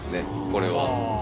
これは。